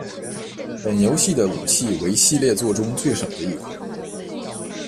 本游戏的武器为系列作中最少的一款。